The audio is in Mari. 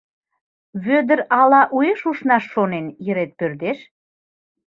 — Вӧдыр, ала уэш ушнаш шонен, йырет пӧрдеш?